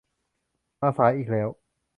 มาสายอีกแล้ว